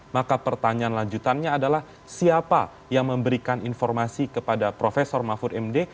maka pertanyaan lanjutannya adalah siapa yang memberikan informasi kepada prof mahfud md